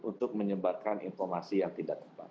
untuk menyebarkan informasi yang tidak tepat